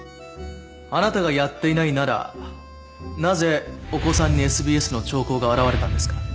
あなたがやっていないならなぜお子さんにＳＢＳの兆候が現れたんですか？